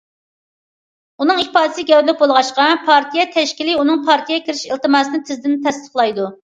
ئۇنىڭ ئىپادىسى گەۋدىلىك بولغاچقا، پارتىيە تەشكىلى ئۇنىڭ پارتىيەگە كىرىش ئىلتىماسىنى تېزدىن تەستىقلايدۇ.